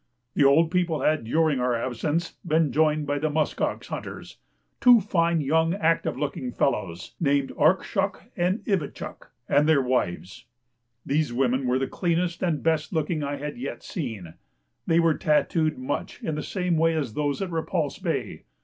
The old people had during our absence been joined by the musk ox hunters, two fine young active looking fellows (named Ark shuk and I vit chuck) and their wives. These women were the cleanest and best looking I had yet seen. They were tatooed much in the same way as those at Repulse Bay.